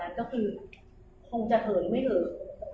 ให้เขาเกิดโตมาแข็งแรง